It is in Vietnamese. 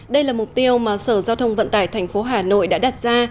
đây là mục tiêu mà sở giao thông vận tải tp hà nội đã đặt ra